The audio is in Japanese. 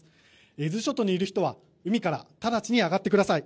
伊豆諸島にいる人は海から直ちに上がってください。